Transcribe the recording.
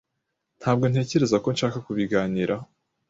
Ntabwo ntekereza ko nshaka kubiganiraho